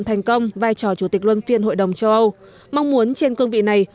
thành công vai trò chủ tịch luân phiên hội đồng châu âu mong muốn trên cương vị này